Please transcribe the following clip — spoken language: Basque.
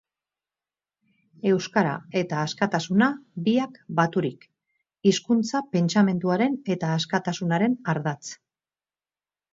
Euskara eta askatasuna biak baturik: hizkuntza pentsamenduaren eta askatasunaren ardatz.